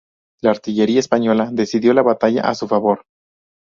La artillería española decidió la batalla a su favor.